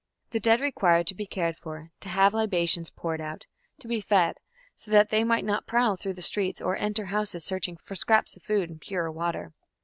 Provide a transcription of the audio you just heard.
The dead required to be cared for, to have libations poured out, to be fed, so that they might not prowl through the streets or enter houses searching for scraps of food and pure water.